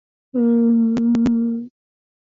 Nimekithiri simanzi, ni katika kuudhika